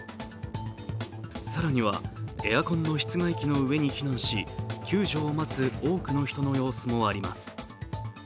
更にはエアコンの室外機の上に避難し救助を待つ多くの人の様子もあります。